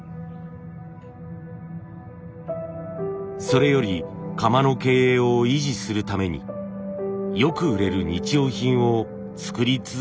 それより窯の経営を維持するためによく売れる日用品を作り続けることだ。